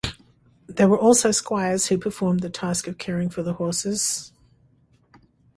There were also squires who performed the task of caring for the horses.